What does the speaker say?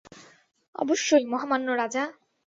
অবশ্যই, মহামান্য রাজা।